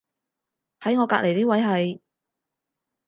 喺我隔離呢位係